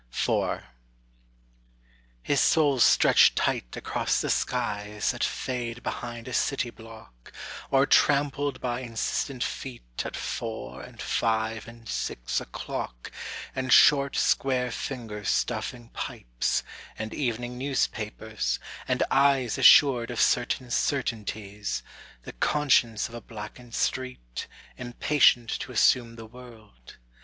IV His soul stretched tight across the skies That fade behind a city block, Or trampled by insistent feet At four and five and six oâclock And short square fingers stuffing pipes, And evening newspapers, and eyes Assured of certain certainties, The conscience of a blackened street Impatient to assume the world.